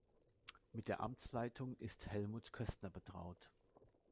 Mit der Amtsleitung ist Helmut Köstner betraut.